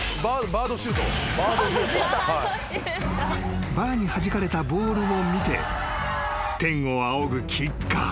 ［バーにはじかれたボールを見て天を仰ぐキッカー］